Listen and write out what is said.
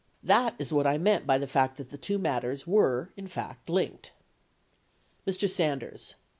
That is what I meant by the fact that the two matters were in fact linked. Mr. Sanders.